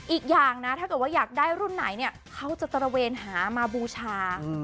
อีกอย่างนะถ้าเกิดว่าอยากได้รุ่นไหนเนี่ยเขาจะตระเวนหามาบูชา